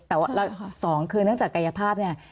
แต่สองคือนึกจากกายภาพเนี่ย